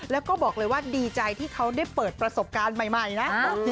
แล้วก็บอกเลยว่าดีใจที่เขาได้เปิดประสบการณ์ใหม่นะ